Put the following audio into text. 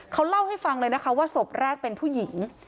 เขาเล่าให้ฟังเลยนะคะว่าศพแรกเป็นผู้หญิง